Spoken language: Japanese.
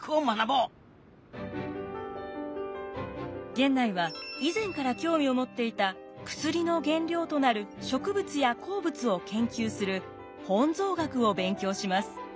源内は以前から興味を持っていた薬の原料となる植物や鉱物を研究する本草学を勉強します。